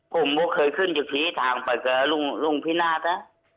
ผมก็เคยขึ้นอยู่ชี้ทางไปก็ลุงพินาศนะ